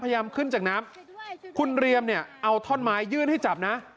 ขึ้นจากน้ำคุณเรียมเนี่ยเอาท่อนไม้ยื่นให้จับนะ